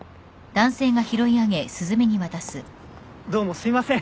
どうもすいません。